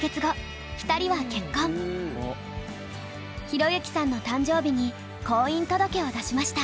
寛之さんの誕生日に婚姻届を出しました。